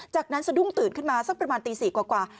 จากนั้นสะดุ้งตื่นขึ้นมาสักประมาณตี๔กว่า